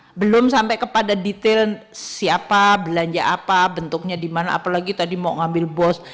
saya belum sampai kepada detail siapa belanja apa bentuknya di mana apalagi tadi mau ngambil bos